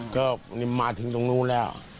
ก็มาถึงตรงนู้นแล้ว